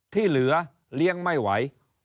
ที่เหลือเลี้ยงไม่ไหว